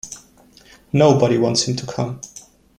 Nobody wants him to come.